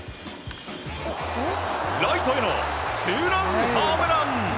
ライトへのツーランホームラン！